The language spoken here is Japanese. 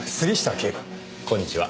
こんにちは。